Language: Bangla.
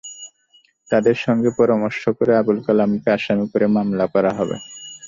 তাঁদের সঙ্গে পরামর্শ করে আবুল কালামকে আসামি করে মামলা করা হবে।